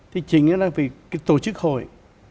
thì chính là vì cái tổ chức hội